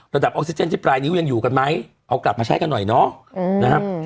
ออกซิเจนที่ปลายนิ้วยังอยู่กันไหมเอากลับมาใช้กันหน่อยเนาะนะครับ